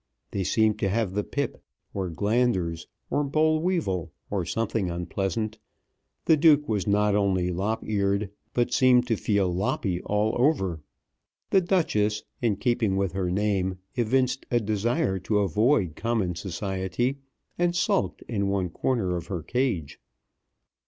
They seemed to have the pip, or glanders, or boll weevil, or something unpleasant. The Duke was not only lop eared, but seemed to feel loppy all over. The Duchess, in keeping with her name, evinced a desire to avoid common society, and sulked in one corner of her cage.